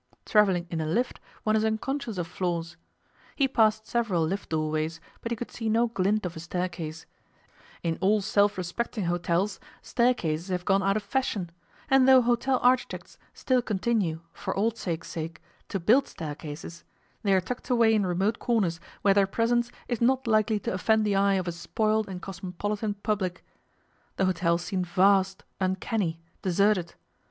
Travelling in a lift, one is unconscious of floors. He passed several lift doorways, but he could see no glint of a staircase; in all self respecting hotels staircases have gone out of fashion, and though hotel architects still continue, for old sakes' sake, to build staircases, they are tucked away in remote corners where their presence is not likely to offend the eye of a spoiled and cosmopolitan public. The hotel seemed vast, uncanny, deserted.